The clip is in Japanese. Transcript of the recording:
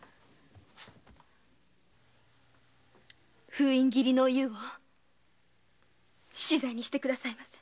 封印切りのおゆうを死罪にしてくださいませ。